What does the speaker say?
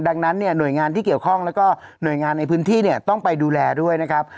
ดังนั้นเนี่ยหน่วยงานที่เกี่ยวข้องแล้วก็หน่วยงานในพื้นที่เนี่ยต้องไปดูแลด้วยนะครับ